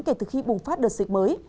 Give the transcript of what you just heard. kể từ khi bùng phát đợt dịch mới